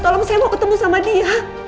tolong saya mau ketemu sama dia